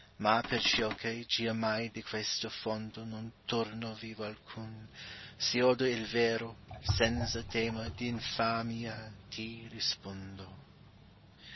Ma perciocche giammai di questo fondo Non torno vivo alcun, sâiâodo il vero, Senza tema dâinfamia ti rispondo.